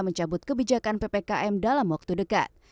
mencabut kebijakan ppkm dalam waktu dekat